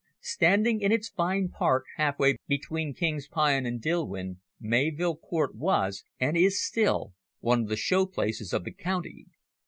Standing in its fine park half way between King's Pyon and Dilwyn, Mayvill Court was, and is still, one of the show places of the county.